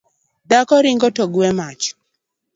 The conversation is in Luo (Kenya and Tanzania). Dhako rego togwe mach